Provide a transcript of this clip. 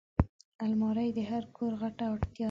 الماري د هر کور غټه اړتیا ده